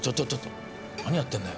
何やってんのよ？